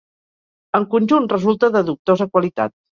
En conjunt resulta de dubtosa qualitat.